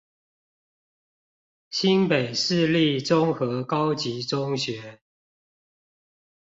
新北市立中和高級中學